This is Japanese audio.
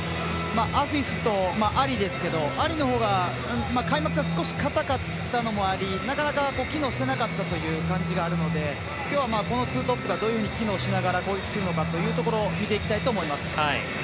アフィフとアリですけどアリのほうが開幕戦は少しかたかったのもありなかなか機能してなかったのもあるので今日はこのツートップがどのように機能しながら攻撃していくのかというところを見ていきたいと思います。